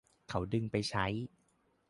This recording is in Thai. เขาดึงไปใช้